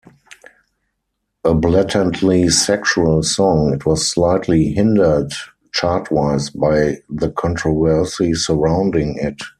A blatantly sexual song, it was slightly hindered chart-wise by the controversy surrounding it.